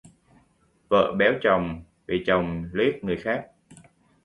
Vợ béo chồng vì chồng liếc người khác